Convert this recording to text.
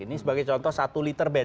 ini sebagai contoh satu liter band